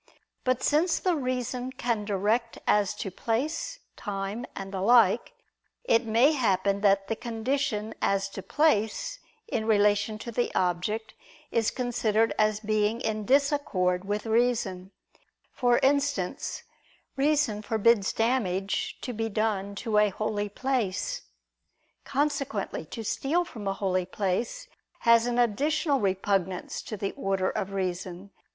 But since the reason can direct as to place, time, and the like, it may happen that the condition as to place, in relation to the object, is considered as being in disaccord with reason: for instance, reason forbids damage to be done to a holy place. Consequently to steal from a holy place has an additional repugnance to the order of reason.